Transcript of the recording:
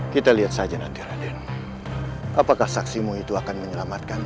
kita lihat saja nanti raden apakah saksimu itu akan menyelamatkan